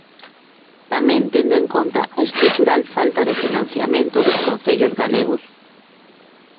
Tamén tendo en conta a estrutural falta de financiamento dos concellos galegos.